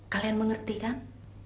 kalian mengerti kan